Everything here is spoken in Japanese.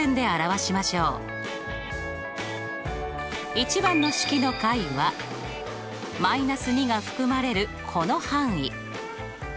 １番の式の解は−２が含まれるこの範囲。